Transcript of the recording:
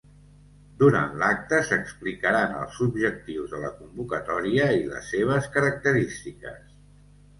Durant l'acte s'explicaran els objectius de la convocatòria i les seves característiques.